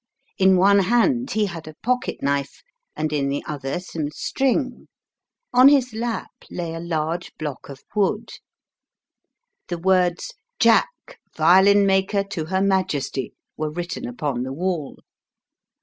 In one hand he had a pocket knife, and in the other some string ; on his lap lay a large block of wood. The words, "Jack, violin maker to Her Majesty," were written upon the wall.